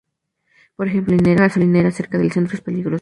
Por ejemplo, una gasolinera cerca del centro es peligroso.